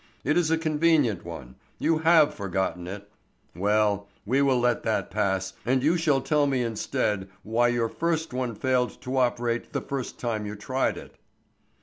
It is a convenient one. You have forgotten it; well, we will let that pass and you shall tell me instead why your first one failed to operate the first time you tried it."